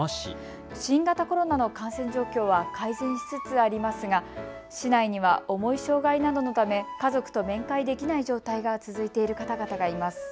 新型コロナの感染状況は改善しつつありますが市内には重い障害などのため家族と面会できない状態が続いている方々がいます。